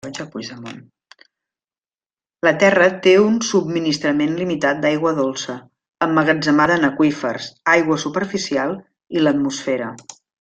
La Terra té un subministrament limitat d’aigua dolça, emmagatzemada en aqüífers, aigua superficial i l’atmosfera.